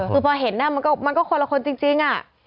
คือพอเห็นมันก็คนละคนจริง